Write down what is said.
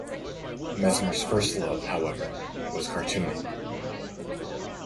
Messmer's first love, however, was cartooning.